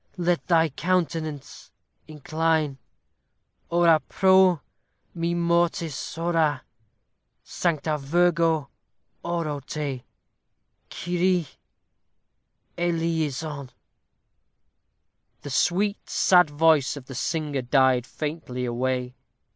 Let thy countenance incline! Ora pro me mortis horâ! Sancta Virgo, oro te! Kyrie Eleison! The sweet, sad voice of the singer died faintly away.